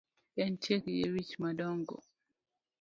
Entie gi yie wich madongo